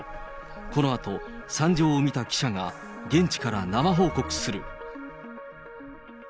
このあと、惨状を見た記者が、現地から生報告する。